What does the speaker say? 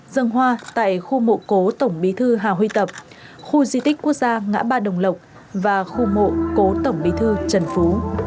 dân hoa tại khu mộ cố tổng bí thư hà huy tập khu di tích quốc gia ngã ba đồng lộc và khu mộ cố tổng bí thư trần phú